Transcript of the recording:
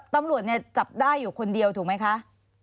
ตำรวจเนี่ยจับได้อยู่คนเดียวถูกไหมคะ